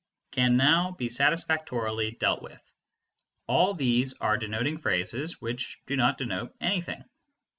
can now be satisfactorily dealt with. All these are denoting phrases which do not denote anything.